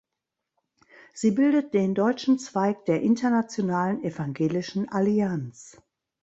Sie bildet den deutschen Zweig der internationalen Evangelischen Allianz.